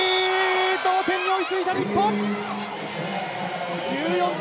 同点に追いついた日本！